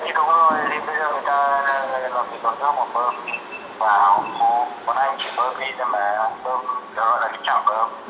cả khu mất nước thì tây hà nội không cấp thế nên không có nước để bơm